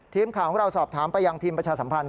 ทีมข่าวของเราสอบถามไปยังทีมประชาสัมพันธ์